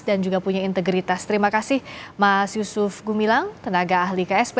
dan juga punya integritas terima kasih mas yusuf gumilang tenaga ahli ksp